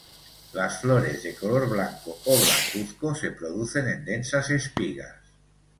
Las flores, de color blanco o blancuzco, se producen en densas espigas.